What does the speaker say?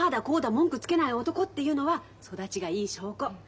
文句つけない男っていうのは育ちがいい証拠。